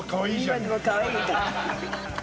今でもかわいいか。